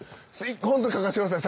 ホント描かしてください。